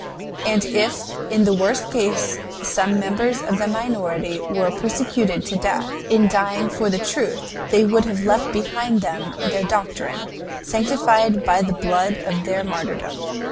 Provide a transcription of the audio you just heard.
And if in the worst case some members of the minority were persecuted to death, in dying for the truth they would have left behind them their doctrine, sanctified by the blood of their martyrdom.